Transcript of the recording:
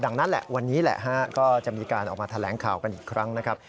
ดังนั้นแหละวันนี้แหละฮะก็จะมีการออกมาแถลงข่าวกันอีกครั้งนะครับ